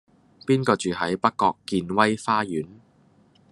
邊個住喺北角健威花園